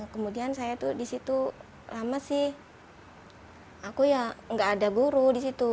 kemudian saya tuh disitu lama sih aku ya nggak ada guru disitu